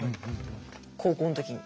高校の時に。